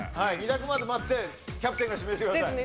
２択まで待ってキャプテンが指名してください。